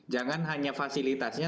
jangan hanya fasilitasnya